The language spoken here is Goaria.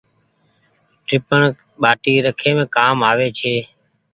ٽيپڻ ٻآٽي رکيم ڪآ ڪآم آوي ڇي۔